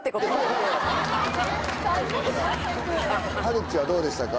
はるちはどうでしたか？